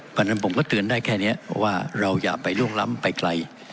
เพราะฉะนั้นผมก็เตือนได้แค่นี้ว่าเราอย่าไปล่วงล้ำไปไกล